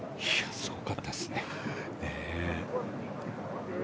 すごかったですね。